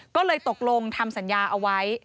ก็เลยตกลงทำสัญญาเอาไว้